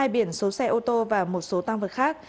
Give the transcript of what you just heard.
hai biển số xe ô tô và một số tăng vật khác